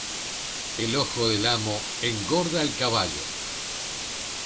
El ojo del amo, engorda al caballo.